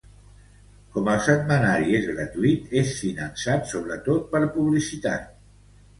Com el setmanari és gratuït, és finançat sobretot per publicitat.